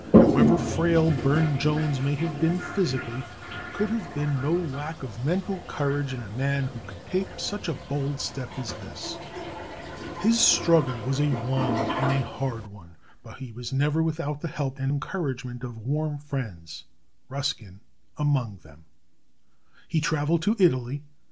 However frail Burne Jones may have been physically, there could have been no lack of mental courage in the man who could take such a bold step as this. His struggle was a long one and a hard one; but he was never without the help and encouragement of warm friends, Ruskin among them. He traveled to Italy.